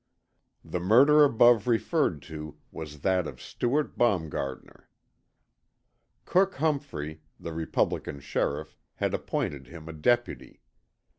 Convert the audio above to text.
The murder above referred to was that of Stewart Baumgartner. Cook Humphrey, the Republican Sheriff, had appointed him a deputy.